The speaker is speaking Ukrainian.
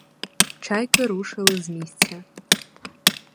Чайки рушили з місця.